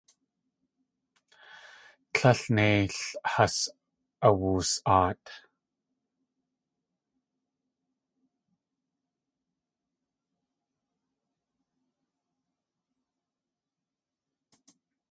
Tlél neil has awus.aat.